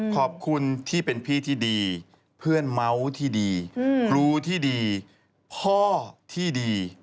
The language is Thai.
ขอบคุณที่เป็นพี่ที่ดีเพื่อนเมาส์ที่ดีครูที่ดีพ่อที่ดี